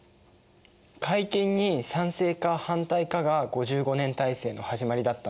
改憲に賛成か反対かが５５年体制の始まりだったんだね。